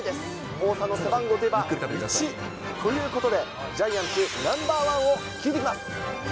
王さんの背番号といえば１。ということで、ジャイアンツＮｏ．１を聞いてきます。